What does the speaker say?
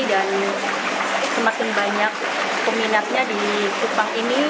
semakin banyak peminatnya di kupang ini